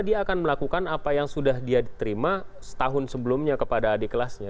dia akan melakukan apa yang sudah dia terima setahun sebelumnya kepada adik kelasnya